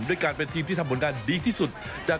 โดยการเป็นทีมที่ทำบนการดีที่สุด